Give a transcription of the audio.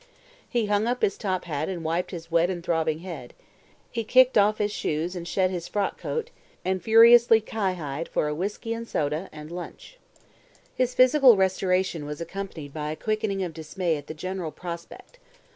He hung up his top hat and wiped his wet and throbbing head; he kicked off his shoes and shed his frock coat, and furiously qui hied for a whisky and soda and lunch. His physical restoration was accompanied by a quickening of dismay at the general prospect.